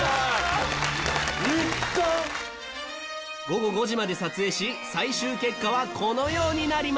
午後５時まで撮影し最終結果はこのようになりました。